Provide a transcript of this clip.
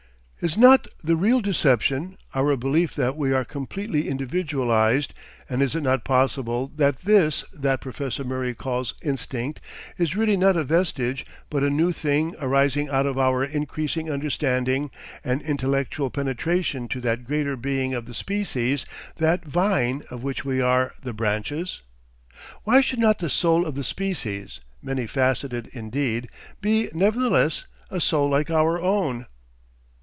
Is not the real deception, our belief that we are completely individualised, and is it not possible that this that Professor Murray calls "instinct" is really not a vestige but a new thing arising out of our increasing understanding, an intellectual penetration to that greater being of the species, that vine, of which we are the branches? Why should not the soul of the species, many faceted indeed, be nevertheless a soul like our own?